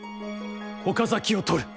岡崎を取る。